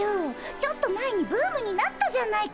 ちょっと前にブームになったじゃないか。